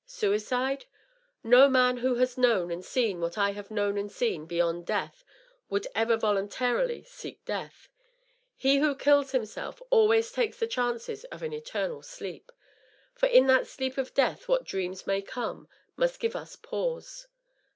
Suicide? No man who has known and seen what I have known and seen beyond death would ever voluntarily seek death. He who kills himself always takes the chances of an eternal sleep. " For in that sleep of death what dreams may come, ... Must give us pause."